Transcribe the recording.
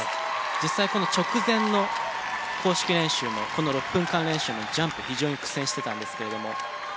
実際この直前の公式練習もこの６分間練習もジャンプ非常に苦戦してたんですけれども。